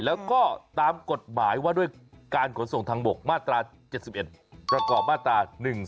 แล้วก็ตามกฎหมายว่าด้วยการขนส่งทางบกมาตรา๗๑ประกอบมาตรา๑๔